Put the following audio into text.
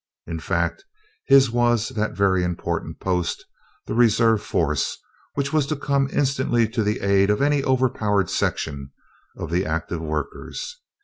In fact, his was that very important post, the reserve force, which was to come instantly to the aid of any overpowered section of the active workers.